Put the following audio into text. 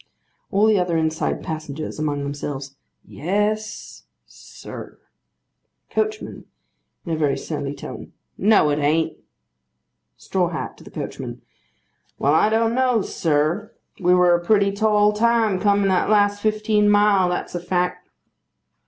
ALL THE OTHER INSIDE PASSENGERS. (Among themselves.) Yes, sir. COACHMAN. (In a very surly tone.) No it an't. STRAW HAT. (To the coachman.) Well, I don't know, sir. We were a pretty tall time coming that last fifteen mile. That's a fact.